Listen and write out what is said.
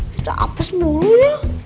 kita apes mulu ya